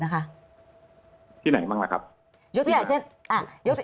ที่ไหนบ้างแหละครับ